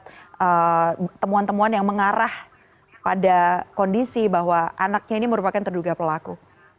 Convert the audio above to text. apa yang kemudian membuat temuan temuan yang mengarah pada kondisi bahwa anaknya ini merupakan terduga pelaku